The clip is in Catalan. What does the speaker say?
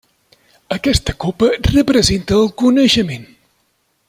Aquesta copa representa el coneixement.